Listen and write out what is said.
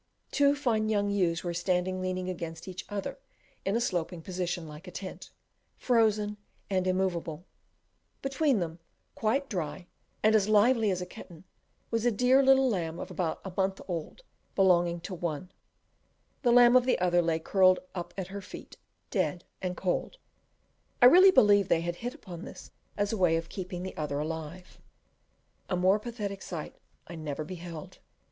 Two fine young ewes were standing leaning against each other in a sloping position, like a tent, frozen and immoveable: between them, quite dry, and as lively as a kitten, was a dear little lamb of about a month old belonging to one; the lamb of the other lay curled up at her feet, dead and cold; I really believe they had hit upon this way of keeping the other alive. A more pathetic sight I never beheld.